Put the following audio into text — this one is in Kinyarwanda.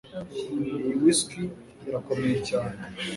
Iyi whisky irakomeye cyane